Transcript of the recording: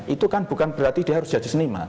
itu kan bukan berarti dia harus jadi seniman